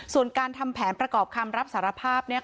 ส่วนการทำแผนประกอบคำรับสารภาพ